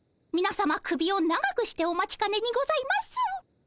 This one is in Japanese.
みなさま首を長くしてお待ちかねにございまする。